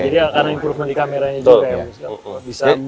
jadi karena improvement di kameranya juga ya